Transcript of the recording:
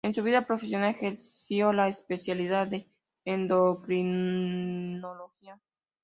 En su vida profesional ejerció la especialidad de endocrinología.